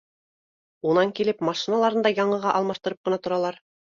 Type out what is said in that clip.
Унан килеп, машиналарын да яңыға алмаштырып ҡына торалар